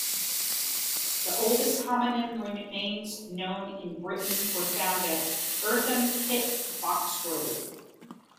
The oldest hominin remains known in Britain were found at Eartham Pit, Boxgrove.